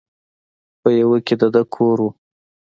په يوه کښې د ده کور و.